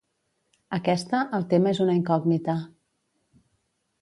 Aquesta, el tema és una incògnita.